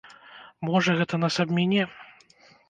Можа, гэта нас абміне?